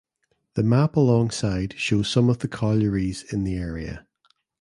The map alongside shows some of the collieries in the Area.